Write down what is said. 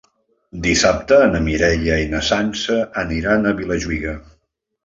Dissabte na Mireia i na Sança aniran a Vilajuïga.